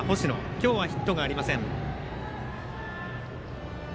今日はヒットがありません。